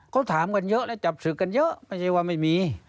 เขาถามกันเยอะและจับศึกกันเยอะไม่ใช่ว่าไม่มี